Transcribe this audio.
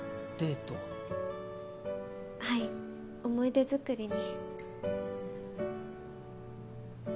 はい思い出作りに。